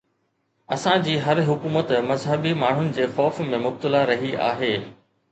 اسان جي هر حڪومت مذهبي ماڻهن جي خوف ۾ مبتلا رهي آهي.